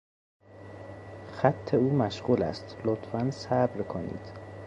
خط او مشغول است، لطفا صبر کنید.